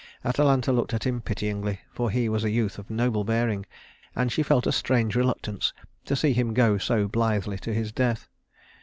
Atalanta looked at him pityingly, for he was a youth of noble bearing, and she felt a strange reluctance to see him go so blithely to his death.